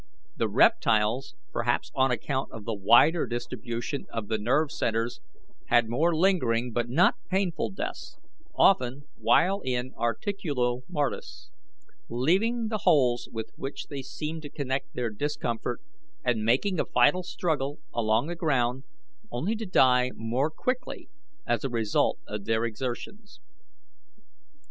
The reptiles, perhaps on account of the wider distribution of the nerve centres, had more lingering but not painful deaths, often, while in articulo mortis, leaving the holes with which they seemed to connect their discomfort, and making a final struggle along the ground, only to die more quickly as a result of their exertions.